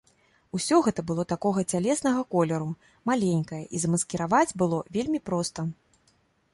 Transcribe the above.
Усё гэта было такога цялеснага колеру, маленькае, і замаскіраваць было вельмі проста.